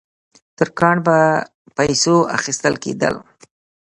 ترکان په پیسو اخیستل کېدل.